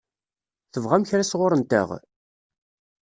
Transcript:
Tebɣam kra sɣur-nteɣ?